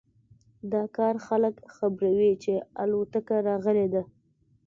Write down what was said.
دا کار خلک خبروي چې الوتکه راغلی ده